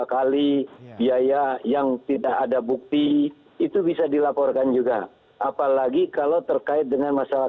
kali biaya yang tidak ada bukti itu bisa dilaporkan juga apalagi kalau terkait dengan masalah